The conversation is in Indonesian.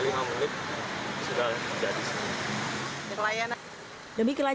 dan sampai lima menit sudah jadi